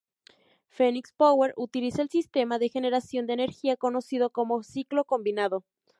Fenix Power utiliza el sistema de generación de energía conocido como ciclo combinado.